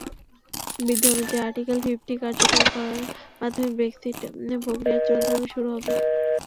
বিধি অনুযায়ী article fifty কার্যকর করার মাধ্যমেই ব্রেক্সিট প্রক্রিয়া চূড়ান্তভাবে শুরু হবে।